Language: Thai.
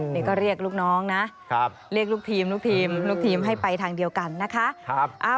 นี่ก็เรียกลูกน้องนะเรียกลูกทีมลูกทีมลูกทีมให้ไปทางเดียวกันนะคะ